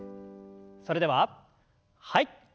それでははい。